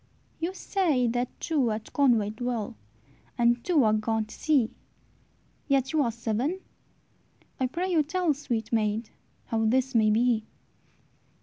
"You say that two at Conway dwell, And two are gone to sea, Yet ye are seven! I pray you tell, Sweet maid, how this may be."